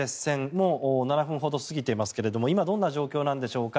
もう７分ほど過ぎていますけれど今、どんな状況なんでしょうか。